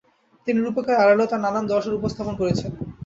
তিনি রূপকের আড়ালেও তার নানান দর্শন উপস্থাপন করেছেন।